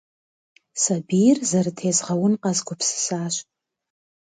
Сабийр зэрытезгъэун къэзгупсысащ.